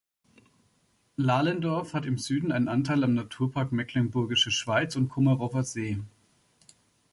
Lalendorf hat im Süden einen Anteil am Naturpark Mecklenburgische Schweiz und Kummerower See.